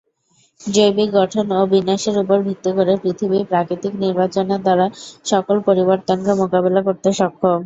জৈবিক গঠন ও বিন্যাসের উপর ভিত্তি করে পৃথিবী প্রাকৃতিক নির্বাচনের দ্বারা সকল পরিবর্তনকে মোকাবিলা করতে সক্ষম।